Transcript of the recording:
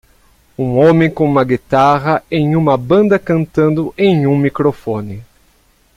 um homem com uma guitarra em uma banda cantando em um microfone